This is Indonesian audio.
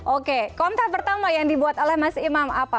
oke konten pertama yang dibuat oleh mas imam apa